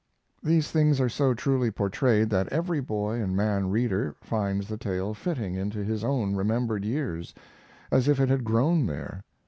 These things are so truly portrayed that every boy and man reader finds the tale fitting into his own remembered years, as if it had grown there.